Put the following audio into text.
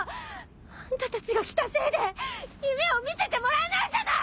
あんたたちが来たせいで夢を見せてもらえないじゃない！